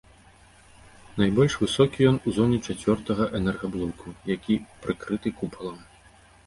Найбольш высокі ён у зоне чацвёртага энергаблоку, які прыкрыты купалам.